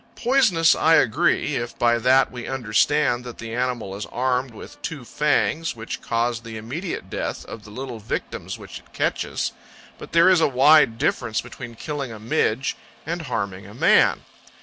Poisonous, I agree, if by that we understand that the animal is armed with two fangs which cause the immediate death of the little victims which it catches; but there is a wide difference between killing a Midge and harming a man.